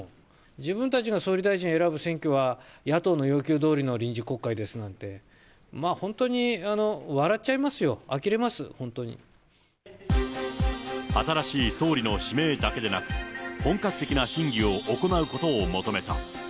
自分たちが総理大臣選ぶ選挙は野党の要求どおりの臨時国会ですなんて、まあ、本当に笑っちゃいますよ、新しい総理の指名だけでなく、本格的な審議を行うことを求めた。